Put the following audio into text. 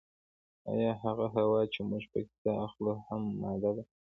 ایا هغه هوا چې موږ پکې ساه اخلو هم ماده ده